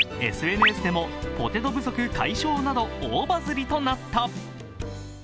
ＳＮＳでもポテト不足解消など、大バズリとなった。